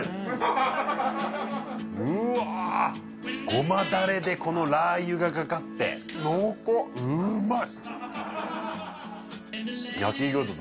ゴマだれでこのラー油がかかって濃厚うまい！